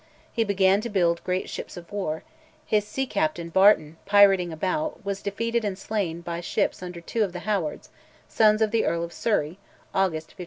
He began to build great ships of war; his sea captain, Barton, pirating about, was defeated and slain by ships under two of the Howards, sons of the Earl of Surrey (August 1511).